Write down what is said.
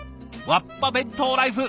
わっぱ弁当ライフ